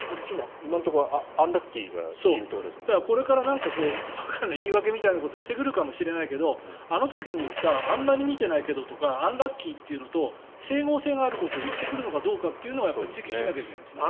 今のところはアンラッキーがこれから言い訳みたいなことをしてくるかもしれないけどあの時に言ったあんまり見てないけどとかアンラッキーっていうのと整合性があることを言ってくるのかどうかは追及しないといけないですね。